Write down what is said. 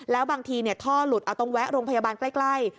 แล้วบางทีท่อหลุดเอาต้องแวะโรงพยาบาลใกล้